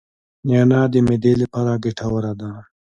نعناع د معدې لپاره ګټوره ده